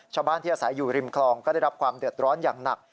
ชาวบ้านที่อาศัยอยู่ริมคลองก็ได้รับความเดือดร้อนอย่างหนัก